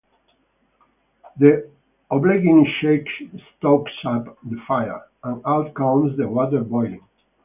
The obliging sheikh stokes up the fire, and out comes the water boiling.